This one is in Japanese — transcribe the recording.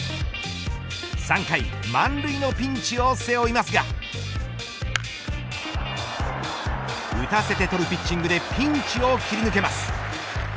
３回、満塁のピンチを背負いますが打たせて取るピッチングでピンチを切り抜けます。